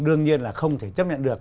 đương nhiên là không thể chấp nhận được